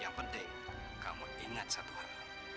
yang penting kamu ingat satu hal